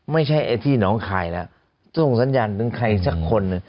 ไม่ใช่ไอ้ที่น้องคายแล้วส่งสัญญาณถึงใครสักคนหนึ่ง